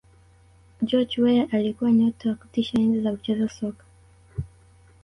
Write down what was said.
george Weah alikuwa nyota wa kutisha enzi za kucheza soka